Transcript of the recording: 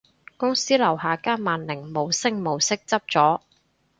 公司樓下間萬寧無聲無息執咗